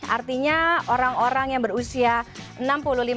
artinya orang orang yang berusia enam puluh lima tahun